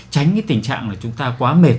tránh cái tình trạng là chúng ta quá mệt